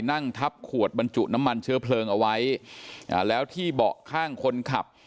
นั่งทับขวดบรรจุน้ำมันเชื้อเพลิงเอาไว้แล้วที่เบาะข้างคนขับ